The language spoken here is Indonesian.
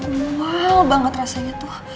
uwal banget rasanya tuh